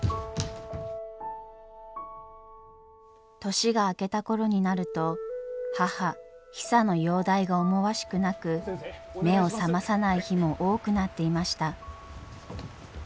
年が明けた頃になると母ヒサの容体が思わしくなく目を覚まさない日も多くなっていました。